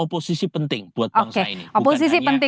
oposisi penting buat bangsa ini oposisi